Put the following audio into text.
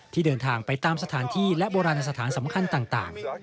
เดินทางไปตามสถานที่และโบราณสถานสำคัญต่าง